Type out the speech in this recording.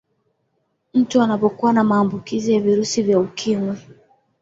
mtu anapokuwa na maambukizi ya virusi vya ukimwi